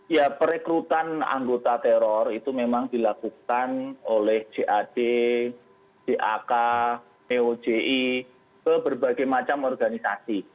ya perekrutan anggota teror itu memang dilakukan oleh jad jak meoji ke berbagai macam organisasi